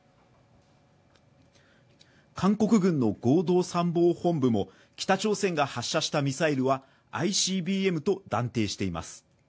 韓国軍の合同参謀本部も北朝鮮が発射したミサイルはＩＣＢＭと断定しています。